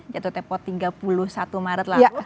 jatuh tempot tiga puluh satu maret lalu